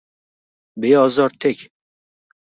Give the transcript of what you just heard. Beozor, tek